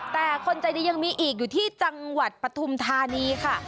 แต่คนใจดียังมีอีกอยู่ที่จังหวัดปฐุมธานีค่ะ